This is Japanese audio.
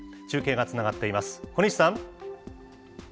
中継がつながっています。